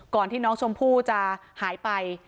ที่น้องชมพู่จะหายไป